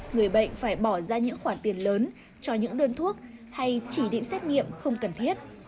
người bệnh phải bỏ ra những khoản tiền lớn cho những đơn thuốc hay chỉ định xét nghiệm không cần thiết